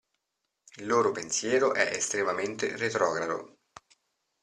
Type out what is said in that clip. Il loro pensiero è estremamente retrogrado.